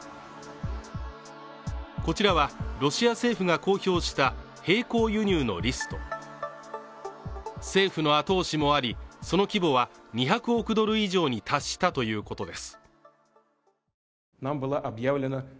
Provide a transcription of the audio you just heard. こちらはロシア政府が公表した並行輸入のリスト政府の後押しもありその規模は２００億ドル以上に達したということです